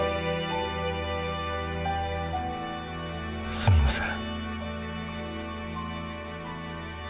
すみません。